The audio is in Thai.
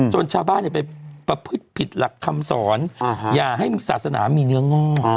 ชาวบ้านไปประพฤติผิดหลักคำสอนอย่าให้ศาสนามีเนื้อง่อ